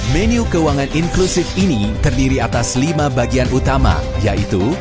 menu keuangan inklusif ini terdiri atas lima bagian utama yaitu